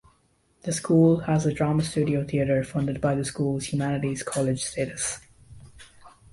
The school has a drama studio theatre funded by the school's Humanities College status.